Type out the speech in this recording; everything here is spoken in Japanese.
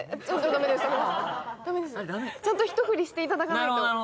ちゃんと一振りしていただかないと。